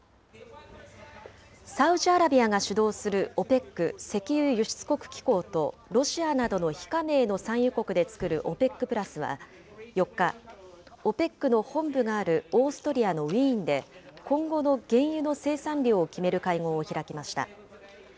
サウジアラビアが主導するＯＰＥＣ・石油輸出国機構と、ロシアなどの非加盟の産油国で作るＯＰＥＣプラスは４日、ＯＰＥＣの本部があるオーストリアのウィーンで、今後の原油の生産量を決める会合を開きました。